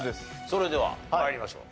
それでは参りましょう。